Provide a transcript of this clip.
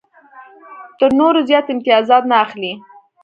تر نورو زیات امتیازات نه اخلي.